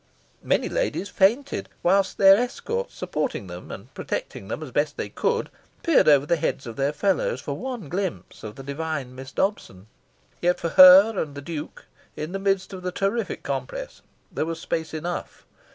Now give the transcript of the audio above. Many ladies fainted, whilst their escorts, supporting them and protecting them as best they could, peered over the heads of their fellows for one glimpse of the divine Miss Dobson. Yet for her and the Duke, in the midst of the terrific compress, there was space enough.